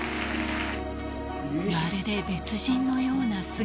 まるで別人のような姿。